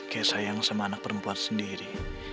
kayak sayang sama anak perempuan sendiri